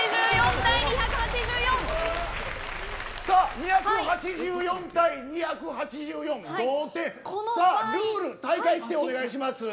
２８４対２８４、同点大会規定をお願いします。